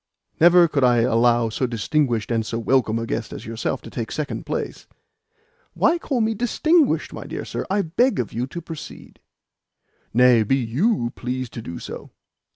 Never could I allow so distinguished and so welcome a guest as yourself to take second place." "Why call me 'distinguished,' my dear sir? I beg of you to proceed." "Nay; be YOU pleased to do so."